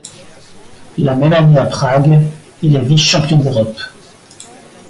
La même année, à Prague, il est vice-champion d'Europe.